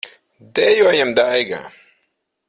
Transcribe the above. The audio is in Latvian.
Dejojam, Daiga!